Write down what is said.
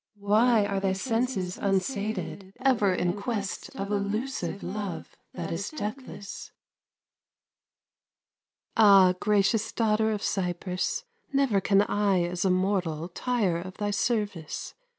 Why are thy senses unsated Ever in quest of elusive Love that is deathless? Ah, gracious Daughter of Cyprus, Never can I as a mortal Tire of thy service.